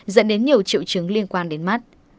dẫn đến nhiều triệu chứng liên quan đến mắt